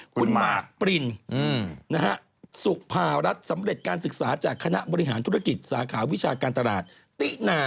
คุณหมากปรินสุภารัฐสำเร็จการศึกษาจากคณะบริหารธุรกิจสาขาวิชาการตลาดตินา